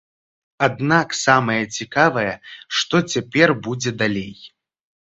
Аднак самае цікавае, што цяпер будзе далей.